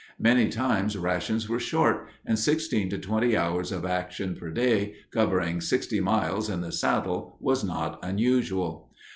Many times rations were short, and sixteen to twenty hours of action per day, covering sixty miles in the saddle was not unusual.